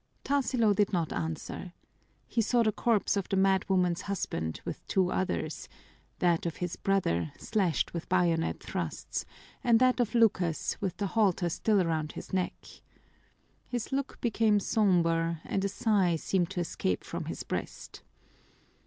Tarsilo did not answer. He saw the corpse of the madwoman's husband with two others: that of his brother, slashed with bayonet thrusts, and that of Lucas with the halter still around his neck. His look became somber and a sigh seemed to escape from his breast.